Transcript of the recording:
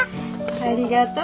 ありがとう。